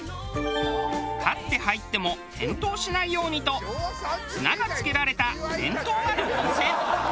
立って入っても転倒しないようにと綱が付けられた伝統ある温泉。